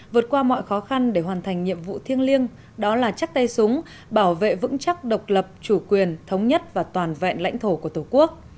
vượt qua mọi khó khăn để hoàn thành nhiệm vụ thiêng liêng đó là chắc tay súng bảo vệ vững chắc độc lập chủ quyền thống nhất và toàn vẹn lãnh thổ của tổ quốc